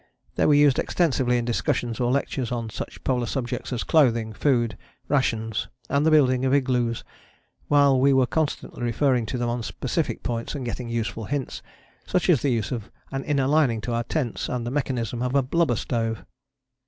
They were used extensively in discussions or lectures on such polar subjects as clothing, food rations, and the building of igloos, while we were constantly referring to them on specific points and getting useful hints, such as the use of an inner lining to our tents, and the mechanism of a blubber stove.